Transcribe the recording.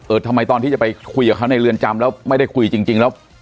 ทำไมตอนที่จะไปคุยกับเขาในเรือนจำแล้วไม่ได้คุยจริงแล้ว